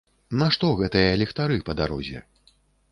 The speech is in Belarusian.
Нашто гэтыя ліхтары па дарозе?